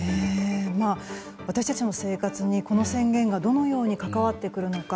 私たちの生活にこの宣言がどのように関わってくるのか